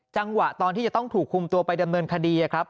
จังหวะตอนที่จะต้องถูกคุมตัวไปดำเนินคดีครับ